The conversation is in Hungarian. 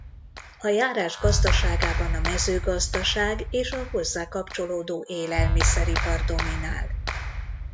A járás gazdaságában a mezőgazdaság és a hozzá kapcsolódó élelmiszeripar dominál.